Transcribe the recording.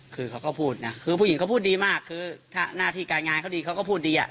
คือเขาก็พูดนะคือผู้หญิงเขาพูดดีมากคือถ้าหน้าที่การงานเขาดีเขาก็พูดดีอ่ะ